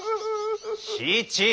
七！